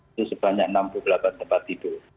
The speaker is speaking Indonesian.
itu sebanyak enam puluh delapan tempat tidur